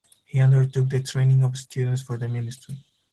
He undertook the training of students for the ministry.